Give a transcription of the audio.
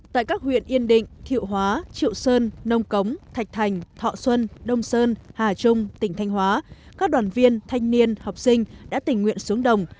tại các huyện yên định thiệu hóa triệu sơn nông cống thạch thành thọ xuân đông sơn hà trung tỉnh thanh hóa các đoàn viên thanh niên học sinh đã tình nguyện xuống đồng